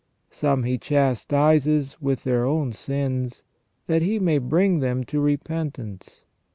Some He chastises with their own sins, that He may bring them to repentance.